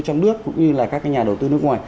trong nước cũng như là các nhà đầu tư nước ngoài